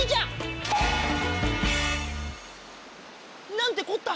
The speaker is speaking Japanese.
なんてこった！